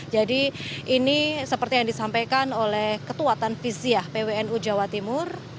jadi ini seperti yang disampaikan oleh ketuatan viziah pwnu jawa timur